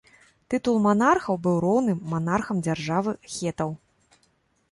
Тытул манархаў быў роўным манархам дзяржавы хетаў.